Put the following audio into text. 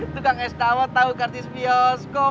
tukang es kawot tau kartis bioskop